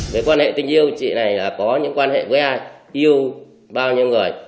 về quan hệ tình yêu chị này có những quan hệ với ai yêu bao nhiêu người